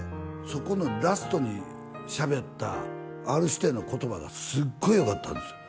そこのラストにしゃべったＲ−指定の言葉がすごいよかったんですよ